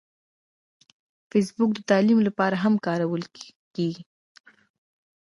فېسبوک د تعلیم لپاره هم کارول کېږي